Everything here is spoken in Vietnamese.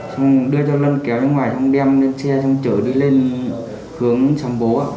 xong đưa cho lân kéo ra ngoài xong đem lên xe xong chở đi lên hướng sám bố ạ